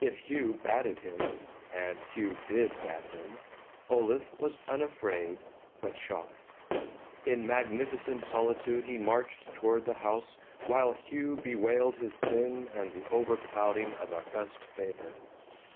If Hugh batted him and Hugh did bat him Olaf was unafraid but shocked. In magnificent solitude he marched toward the house, while Hugh bewailed his sin and the overclouding of august favor.